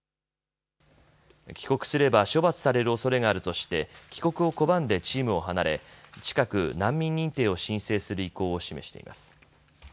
帰国すれば処罰されるおそれがあるとして帰国を拒んでチームを離れ、近く難民認定を申請する意向を示しています。